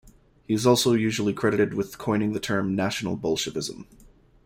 He also is usually credited with coining the term National Bolshevism.